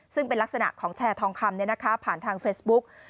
ซึ่งเป็นลักษณะของแชร์ทองคำผ่านทางเฟซบุ๊ก